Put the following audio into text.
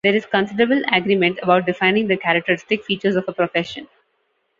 There is considerable agreement about defining the characteristic features of a profession.